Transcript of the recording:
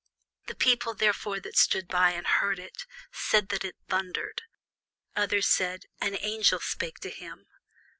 The people therefore, that stood by, and heard it, said that it thundered: others said, An angel spake to him.